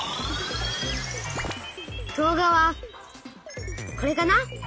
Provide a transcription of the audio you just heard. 動画はこれかな。